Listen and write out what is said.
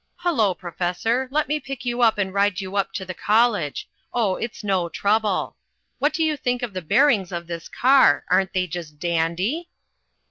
Hullo, Professor, let me pick you up and ride you up to the college; oh, it's no trouble. What do you think of the bearings of this car? Aren't they just dandy?"